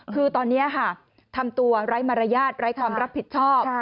คือตอนนี้ทำตัวไร้มารยาทไร้ความรับผิดชอบ